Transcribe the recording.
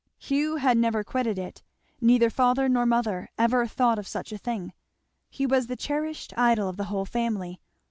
Hugh had never quitted it. Neither father nor mother ever thought of such a thing. He was the cherished idol of the whole family.